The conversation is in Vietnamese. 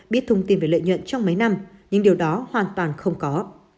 biết thông tin về lợi nhuận trong mấy năm nhưng điều đó hoàn toàn không có